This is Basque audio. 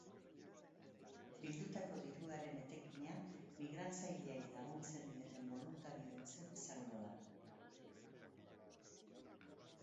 Bildutako diruaren etekina migratzaileei laguntzen dieten boluntarioentzat izango da.